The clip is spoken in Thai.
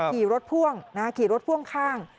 ขี่รถพ่วงขี่รถพ่วงข้าง